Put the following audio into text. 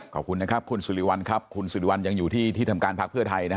ขอบคุณนะครับคุณสุริวัลครับคุณสิริวัลยังอยู่ที่ที่ทำการพักเพื่อไทยนะฮะ